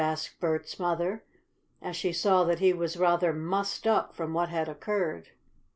asked Bert's mother, as she saw that he was rather "mussed up," from what had occurred.